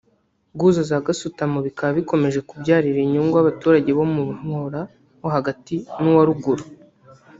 Guhuza za gasutamo bikaba bikomeje kubyarira inyungu abaturage bo mu muhora wo hagati n’uwa ruguru